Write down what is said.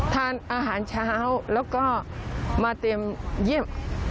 ทานอาหารเช้าแล้วก็มาเตรียมเยี่ยม